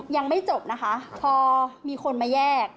ยังไม่จบนะคะพอมีคนมาแยก